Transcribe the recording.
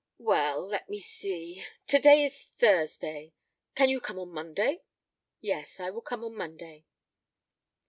"Well, let me see to day is Thursday; can you come on Monday?" "Yes, I will come on Monday."